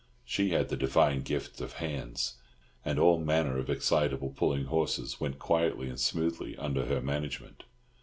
She had the divine gift of "hands," and all manner of excitable, pulling horses went quietly and smoothly under her management.